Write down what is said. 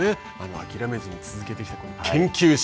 諦めずに続けてきた研究心。